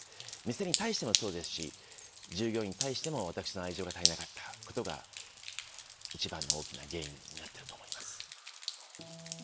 店に対してもそうですし従業員に対しても私の愛情が足りなかったことが一番の大きな原因になってると思います。